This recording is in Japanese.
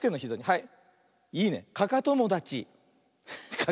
はい。